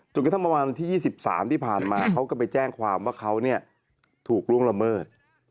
กระทั่งประมาณวันที่๒๓ที่ผ่านมาเขาก็ไปแจ้งความว่าเขาถูกล่วงละเมิด